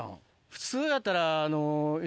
普通やったら。